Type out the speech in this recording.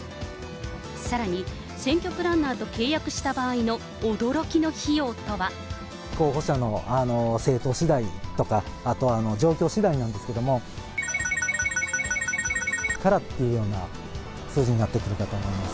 さらに、選挙プランナーと契約した場合の驚きの費用とは。候補者の政党しだいとか、あとは状況しだいなんですけれども、×××からっていうような数字になってくるかと思います。